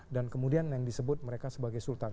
dan kemudian yang disebut mereka sebagai sultan